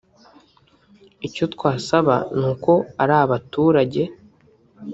Icyo twasaba n’uko ari abaturage